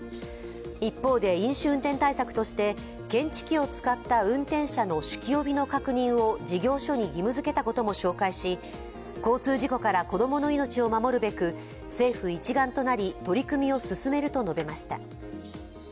一方で飲酒運転対策として検知器を使った運転者の酒気帯びの確認を事業所に義務づけたことも紹介し交通事故から子供の命を守るべく、政府一丸となり取り組みを進めると述べました。